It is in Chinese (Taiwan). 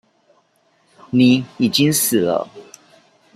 你已經死了